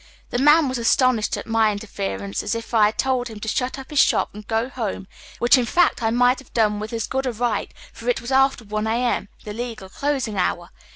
The man was as astonished at my interference as if I had told him to shnt np his shop and go home, which in fact I might have done witli as good a right, for it was after 1 a.m., the legal closing lionr.